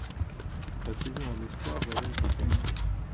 Sa saison en espoirs révèle ses qualités.